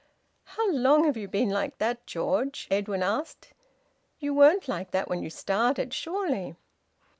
"How long have you been like that, George?" Edwin asked. "You weren't like that when you started, surely?"